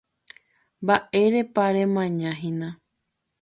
Mba'érepa remañahína.